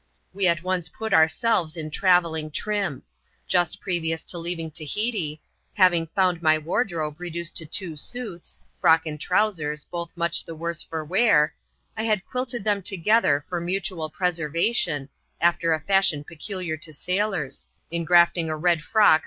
We at once put ourselves in travelling trim. Just previous to leaving Tahiti, having found my wardrobe reduced to two suits (frock and trowsers, both much the worse for wear), I had quilted them together for mutual preservation (after a €a&\\L<^iQL peculiar to sailors) ; engrafting a red feods.